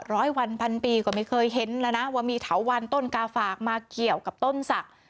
ร้อยวันพันปีก็ไม่เคยเห็นแล้วนะว่ามีเถาวันต้นกาฝากมาเกี่ยวกับต้นศักดิ์